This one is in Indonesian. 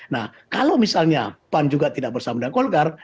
nah kalau misalnya pan juga tidak bersama dengan golkar